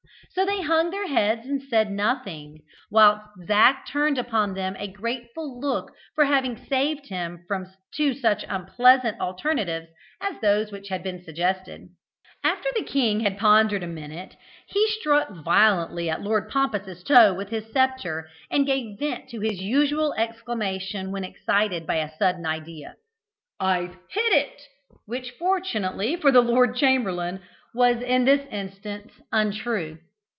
So they hung their heads and said nothing, whilst Zac turned upon them a grateful look for having saved him from two such unpleasant alternatives as those which had been suggested. After the king had pondered a minute, he struck violently at Lord Pompous' toe with his sceptre, and gave vent to his usual exclamation when excited by a sudden idea "I've hit it!" which, fortunately for the lord chamberlain, was in this instance untrue.